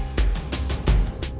aku mau pulang dulu ya mas